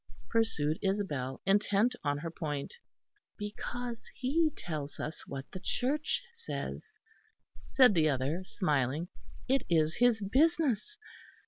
pursued Isabel, intent on her point. "Because he tells us what the Church says," said the other smiling, "it is his business.